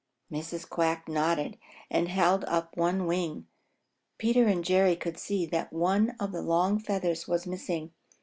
Mrs. Quack nodded and held up one wing. Peter and Jerry could see that one of the long feathers was missing.